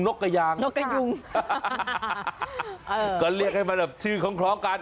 นกกะยางนกกะยุงก็เรียกให้มันแบบชื่อของเคราะห์กัน